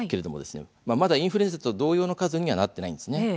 まだインフルエンザと同様の数になっていないんです。